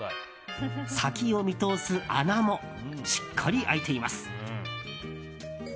先を見通す穴もしっかり開いています。